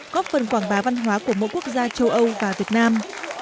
góp phần quảng bá văn hóa của mỗi quốc gia châu âu và việt nam